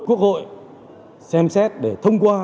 mọi người xem xét để thông qua